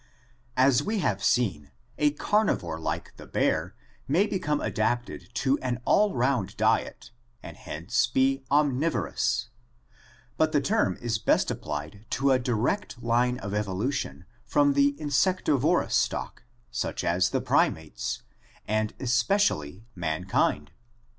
As we have seen, a carnivore like the bear may become adapted to an all round diet and hence be omnivorous, but the term is best applied to a direct line of evolution from the insectivorous stock, such as the primates, and especially mankind.